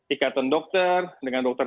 ikatan dokter dengan dokter